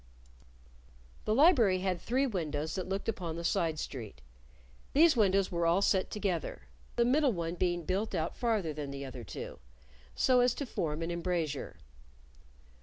The library had three windows that looked upon the side street. These windows were all set together, the middle one being built out farther than the other two, so as to form an embrasure.